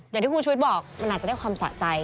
อย่างที่คุณชุวิตบอกมันอาจจะได้ความสะใจ